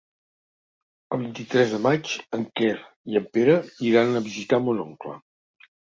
El vint-i-tres de maig en Quer i en Pere iran a visitar mon oncle.